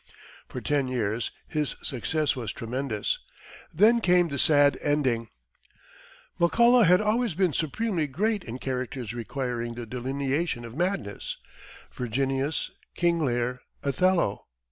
For ten years his success was tremendous then came the sad ending. McCullough had always been supremely great in characters requiring the delineation of madness Virginius, King Lear, Othello.